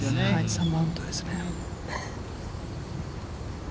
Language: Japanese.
３番ウッドですね。